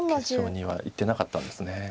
決勝にはいってなかったんですね。